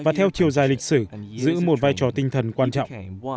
và theo chiều dài lịch sử giữ một vai trò tinh thần quan trọng